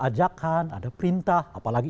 ajakan ada perintah apalagi